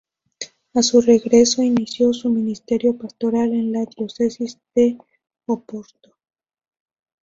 A su regresó inició su ministerio pastoral en la Diócesis de Oporto.